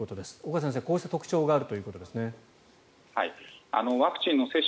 岡先生、こうした特徴があるということですね。